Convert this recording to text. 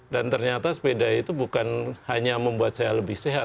dan ternyata sepeda itu bukan hanya membuat saya lebih sehat